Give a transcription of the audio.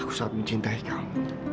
aku sangat mencintai kamu